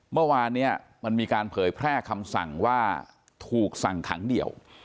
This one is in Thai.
เมื่อวานเนี่ยมันมีการเผยแพร่คำสั่งว่าถูกสั่งขังเดี่ยว